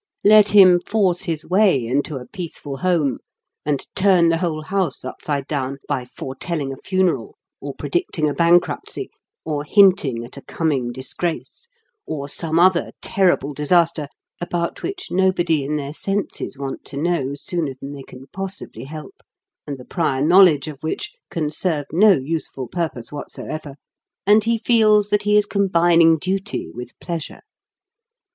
Let him force his way into a peaceful home, and turn the whole house upside down by foretelling a funeral, or predicting a bankruptcy, or hinting at a coming disgrace, or some other terrible disaster, about which nobody in their senses would want to know sooner than they could possibly help, and the prior knowledge of which can serve no useful purpose whatsoever, and he feels that he is combining duty with pleasure.